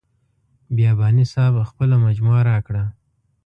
بیاباني صاحب خپله مجموعه راکړه.